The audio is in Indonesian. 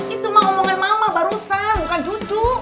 itu mah omongan mama barusan bukan cucu